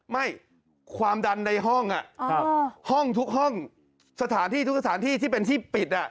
ไม่ความดันในห้องห้องทุกห้องสถานที่ทุกสถานที่ที่เป็นที่ปิด